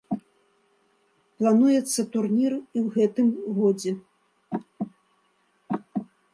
Плануецца турнір і ў гэтым годзе.